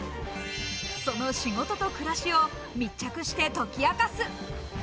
その仕事と暮らしを密着して解き明かす。